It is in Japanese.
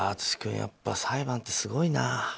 やっぱり裁判ってすごいな。